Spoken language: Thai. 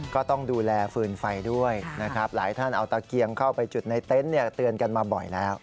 ก็ต้องดูแลฟืนไฟด้วยนะครับหลายท่านเอาตะเกียงเข้าไปจุดในเต็นต์เตือนกันมาบ่อยแล้ว